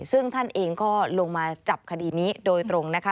ซึ่งท่านเองก็ลงมาจับคดีนี้โดยตรงนะคะ